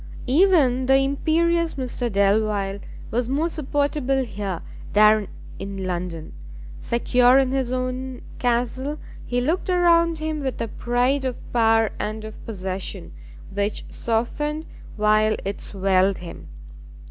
Even the imperious Mr Delvile was more supportable here than in London; secure in his own castle, he looked around him with a pride of power and of possession which softened while it swelled him.